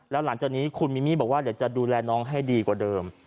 แล้วหลังจากนี้คุณมิมี่บอกว่าเดี๋ยวจะดูแลน้องให้ดีกว่าเดิม